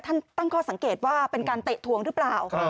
ตั้งข้อสังเกตว่าเป็นการเตะทวงหรือเปล่า